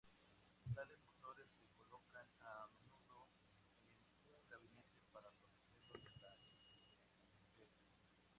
Tales motores se colocan a menudo en un gabinete para protegerlos de la intemperie.